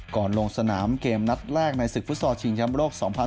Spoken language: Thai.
ก่อนลงสนามเกมนัดแรกในศึกฟุตสอลชิงชำโลก๒๐๑๖